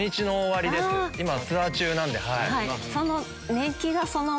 今ツアー中なんで。